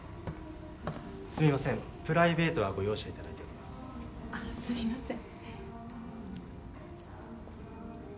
すみませんプライベートはご容赦いただいておりますあっすみません